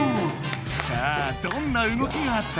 さあどんな動きがあった？